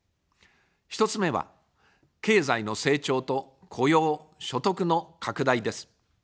１つ目は、経済の成長と雇用・所得の拡大です。